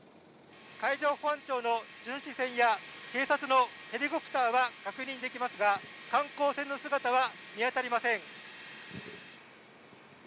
海上保安庁の巡視船や警察のヘリコプターは確認できますが、観光船の姿は見当たりません。